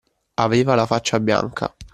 Aveva la faccia bianca.